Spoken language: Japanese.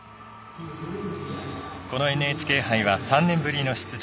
このＮＨＫ杯は３年ぶりの出場。